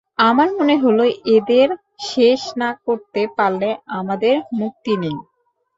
আমার মনে হল এদের শেষ না করতে পারলে আমাদের মুক্তি নেই।